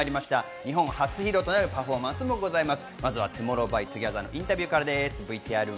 日本初披露となるパフォーマンスもございます。